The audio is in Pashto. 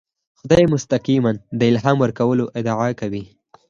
خدای مستقیماً الهام ورکولو ادعا کوي.